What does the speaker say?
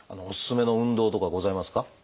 おすすめの運動とかございますか？